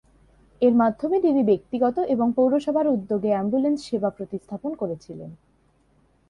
এর মাধ্যমে তিনি ব্যক্তিগত এবং পৌরসভার উদ্যোগে অ্যাম্বুলেন্স সেবা প্রতিস্থাপন করেছিলেন।